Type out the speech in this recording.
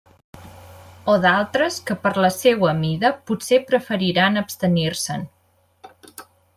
O d'altres que, per la seua mida, potser preferiran abstenir-se'n.